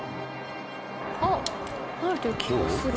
あっ離れてる気がする。